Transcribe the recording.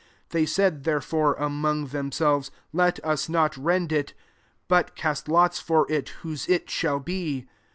24 They said, therefore, among them selves, " Let us not rend it, but cast lots for it, whose it shall he."